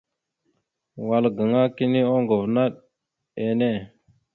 Wal gaŋa kini oŋgov naɗ enne.